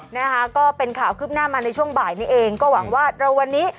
นะคะก็เป็นข่าวคืบหน้ามาในช่วงบ่ายนี้เองก็หวังว่าเราวันนี้